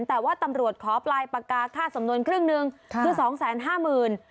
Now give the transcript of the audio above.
แต่ว่าตำรวจขอปลายปากกาค่าสำนวนครึ่งหนึ่งคือสองแสนห้าหมื่น